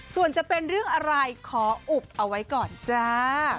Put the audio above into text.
ส่วนจะเป็นเรื่องอะไรขออุบเอาไว้ก่อนจ้า